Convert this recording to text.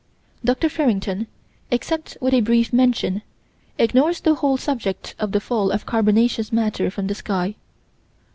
Dr. Farrington, except with a brief mention, ignores the whole subject of the fall of carbonaceous matter from the sky.